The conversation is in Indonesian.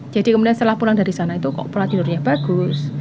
jadi kemudian setelah pulang dari sana itu kok pola tidurnya bagus